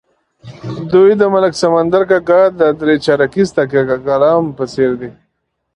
دوی د ملک سمندر کاکا د درې چارکیز تکیه کلام په څېر دي.